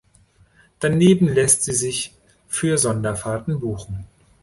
Daneben lässt sie sich für Sonderfahrten buchen.